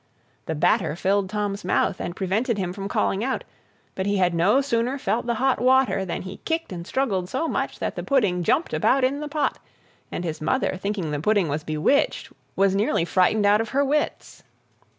The batter filled Tom's mouth, and prevented him from calling out, but he had no sooner felt the hot water, than he kicked and struggled so much that the pudding jumped about in the pot, and his mother, thinking the pudding was bewitched, was nearly frightened out of her wits.